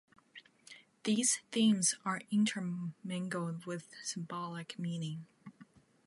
These themes are intermingled with symbolic meaning.